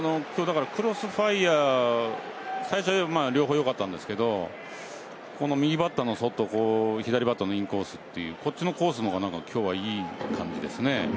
クロスファイヤーは最初は両方よかったんですけど右バッターの外左バッターのインコースというこっちのコースの方が今日は、いい感じですね。